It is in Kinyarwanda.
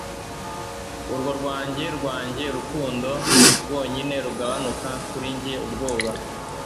Urwo rwanjye rwanjye urukundo rwonyine rugabanuka kuri njye ubwoba